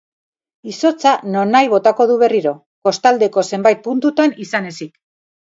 Izotza nonahi botako du berriro, kostaldeko zenbait puntutan izan ezik.